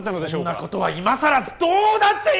そんなことは今さらどうだっていい！